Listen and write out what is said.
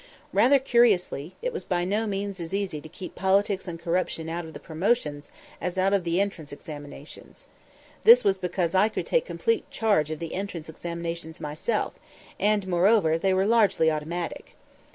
Rather curiously, it was by no means as easy to keep politics and corruption out of the promotions as out of the entrance examinations. This was because I could take complete charge of the entrance examinations myself; and, moreover, they were largely automatic.